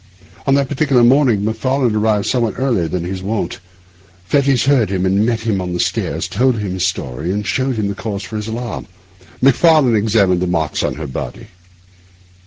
On that particular morning Macfarlane arrived somewhat earlier than his wont. Fettes heard him, and met him on the stairs, told him his story, and showed him the cause of his alarm. Macfarlane examined the marks on her body.